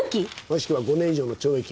もしくは５年以上の懲役。